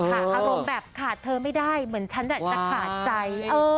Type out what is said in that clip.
อารมณ์แบบขาดเธอไม่ได้เหมือนฉันจะขาดใจ